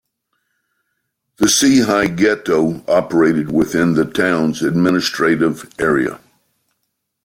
The Cehei ghetto operated within the town's administrative area.